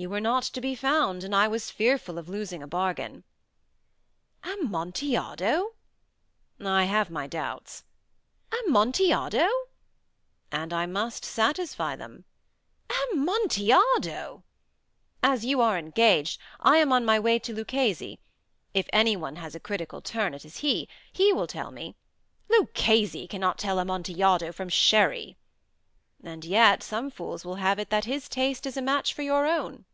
You were not to be found, and I was fearful of losing a bargain." "Amontillado!" "I have my doubts." "Amontillado!" "And I must satisfy them." "Amontillado!" "As you are engaged, I am on my way to Luchesi. If any one has a critical turn, it is he. He will tell me—" "Luchesi cannot tell Amontillado from Sherry." "And yet some fools will have it that his taste is a match for your own."